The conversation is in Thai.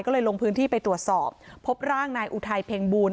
ก็เลยลงพื้นที่ไปตรวจสอบพบร่างนายอุทัยเพ็งบูล